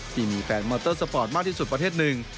ที่มีแฟนมอเตอร์สปอร์ตมากที่สุดประเทศหนึ่ง